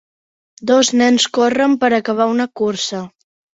Dos nens corren per acabar una cursa.